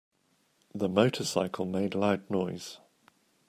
The motorcycle made loud noise.